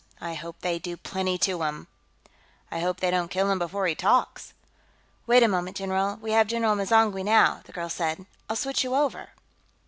"I hope they do plenty to him!" "I hope they don't kill him before he talks." "Wait a moment, general; we have General M'zangwe, now," the girl said. "I'll switch you over."